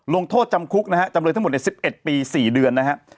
ลงโทษจำคุกนะฮะจำเลยทั้งหมดใน๑๑ปี๔เดือนนะฮะ